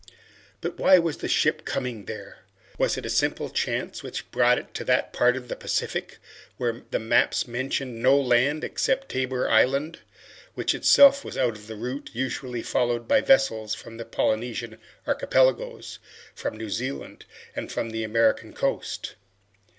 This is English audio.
But why was the ship coming there? Was it simple chance which brought it to that part of the Pacific, where the maps mentioned no land except Tabor Island, which itself was out of the route usually followed by vessels from the Polynesian Archipelagoes, from New Zealand, and from the American coast?